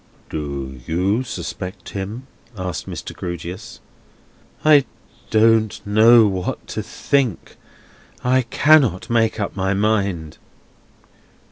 "Do you suspect him?" asked Mr. Grewgious. "I don't know what to think. I cannot make up my mind."